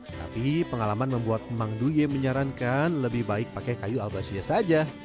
tetapi pengalaman membuat emang duye menyarankan lebih baik pakai kayu albasia saja